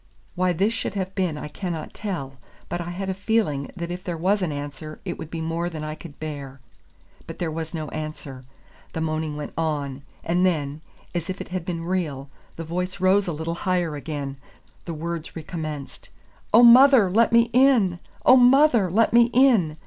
Why this should have been I cannot tell, but I had a feeling that if there was an answer it would be more than I could bear. But there was no answer; the moaning went on, and then, as if it had been real, the voice rose a little higher again, the words recommenced, "Oh, mother, let me in! oh, mother, let me in!"